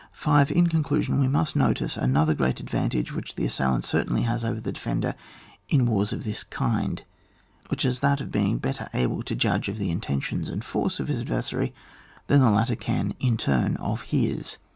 5. In conclusion, we must notice another great advantage which the as sailant certainly has over the defender in wars of this kind, which is that of be ing better able to judge of the intentions and force of his adversary than the latter can in turn of his.